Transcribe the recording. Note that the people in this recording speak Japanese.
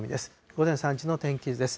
午前３時の天気図です。